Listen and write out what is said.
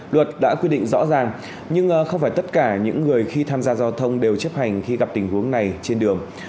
luật đã quy định rõ ràng nhưng không phải tất cả những người khi tham gia giao thông đều chấp hành khi gặp tình huống này trên đường